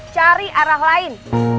cari arah lain